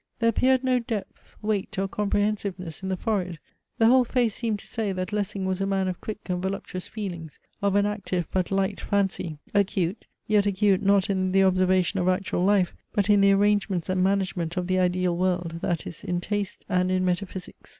There appeared no depth, weight, or comprehensiveness in the forehead. The whole face seemed to say, that Lessing was a man of quick and voluptuous feelings; of an active but light fancy; acute; yet acute not in the observation of actual life, but in the arrangements and management of the ideal world, that is, in taste, and in metaphysics.